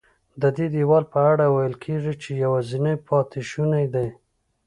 ددې دیوال په اړه ویل کېږي چې یوازینی پاتې شونی دی.